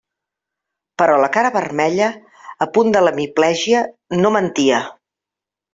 Però la cara vermella, a punt de l'hemiplegia, no mentia.